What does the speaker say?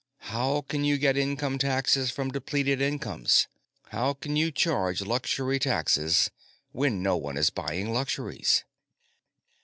How can you get income taxes from depleted incomes? How can you charge luxury taxes when no one is buying luxuries?